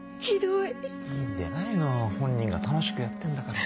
いいんでないの本人が楽しくやってんだから。